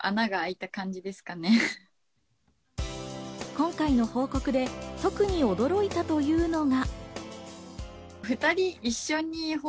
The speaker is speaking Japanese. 今回の報告で特に驚いたというのが。